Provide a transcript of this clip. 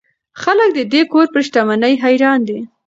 خلک د دې کور پر شتمنۍ حیران دي.